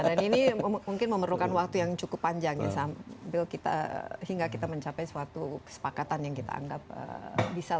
dan ini mungkin memerlukan waktu yang cukup panjang ya sambil kita hingga kita mencapai suatu kesepakatan yang kita anggap bisa lakukan